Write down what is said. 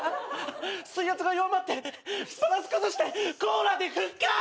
水圧が弱まってバランス崩してコーラで復活！